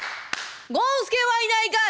「権助はいないかい！」。